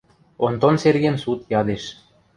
– Онтон Сергем суд ядеш.